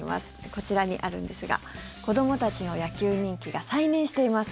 こちらにあるんですが子どもたちの野球人気が再燃しています。